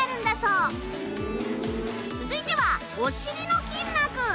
続いてはお尻の筋膜。